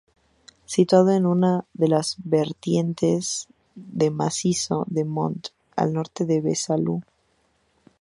Situado en una de la vertientes del macizo del Mont, al norte de Besalú.